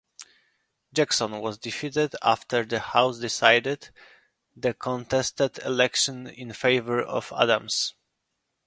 Jackson was defeated after the House decided the contested election in favor of Adams.